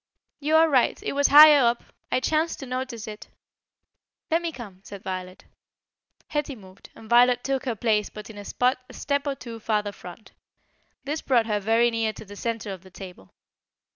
"You are right; it was higher up; I chanced to notice it." "Let me come," said Violet. Hetty moved, and Violet took her place but in a spot a step or two farther front. This brought her very near to the centre of the table.